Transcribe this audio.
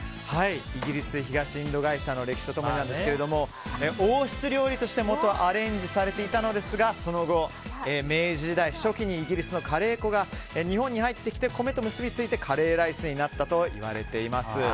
イギリスの東インド会社の歴史と共になんですが王室料理としてもともとアレンジされていたのですがその後、明治時代初期にイギリスのカレー粉が日本に入ってきて米と結びついてカレーライスになったといわれています。